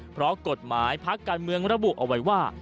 เพราะกฎหมายพักการเมืองระบุเอาไว้ว่า